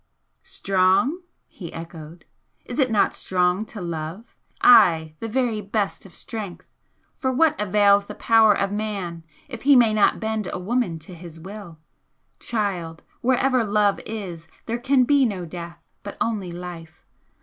"Strong?" he echoed "Is it not strong to love? ay, the very best of strength! For what avails the power of man if he may not bend a woman to his will? Child, wherever love is there can be no death, but only life!